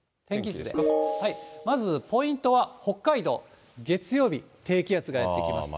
まずポイントは、北海道、月曜日、低気圧がやって来ます。